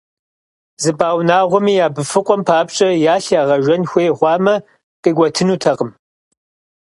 ЗыпӀа унагъуэми я быфыкъуэм папщӀэ ялъ ягъэжэн хуей хъуамэ, къикӀуэтынутэкъым.